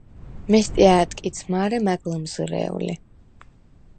მესტია̄̈ ტკიც მა̄რე მა̈გ ლჷმზჷრე̄ვ ლი!